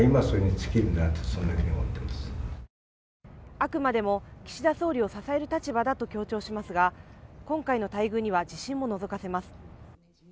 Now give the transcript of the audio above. あくまでも岸田総理を支える立場だと強調しますが、今回の待遇には自信ものぞかせます。